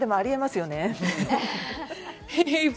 でも、ありえますよね。